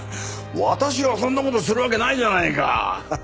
私がそんな事するわけないじゃないか。